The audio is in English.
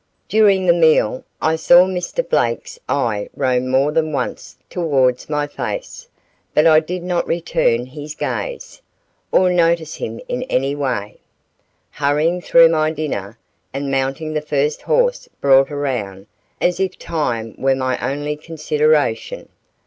During the meal I saw Mr. Blake's eye roam more than once towards my face; but I did not return his gaze, or notice him in any way; hurrying through my dinner, and mounting the first horse brought around, as if time were my only consideration.